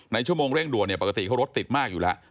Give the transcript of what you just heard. ชั่วโมงเร่งด่วนเนี่ยปกติเขารถติดมากอยู่แล้ว